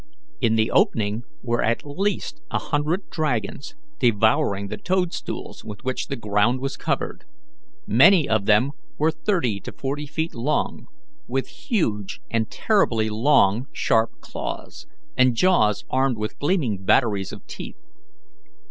In the opening were at least a hundred dragons devouring the toadstools with which the ground was covered. Many of them were thirty to forty feet long, with huge and terribly long, sharp claws, and jaws armed with gleaming batteries of teeth.